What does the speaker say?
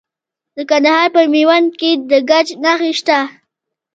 د کندهار په میوند کې د ګچ نښې شته.